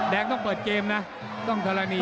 ต้องเปิดเกมนะต้องธรณี